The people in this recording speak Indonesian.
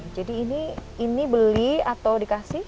jadi ini beli atau dikasih